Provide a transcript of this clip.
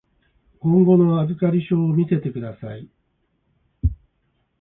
今後の預かり証を見せてください。